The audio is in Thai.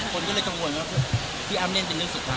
ก็ขอให้คงจริงค่ะ